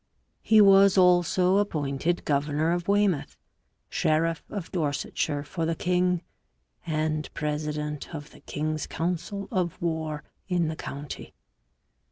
He was also appointed governor of Weymouth, sheriff of Dorsetshire for the king and president of the king's council of war in the county.